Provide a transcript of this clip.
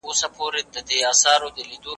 ده خپل ښی لاس د مخ په وچولو کې وکاراوه.